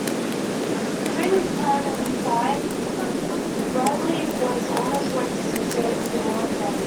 During his time in Siam, Bradley was almost always associated with the royal family.